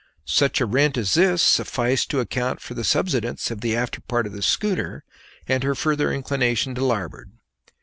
Such a rent as this sufficed to account for the subsidence of the after part of the schooner and her further inclination to larboard.